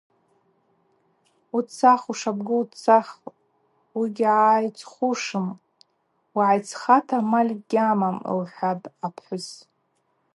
Уцах, ушабгу уцах, уыгьгӏайцхушым, угӏайцхата амаль гьамам,— лхӏватӏ апхӏвыс.